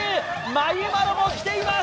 まゆまろが来ています！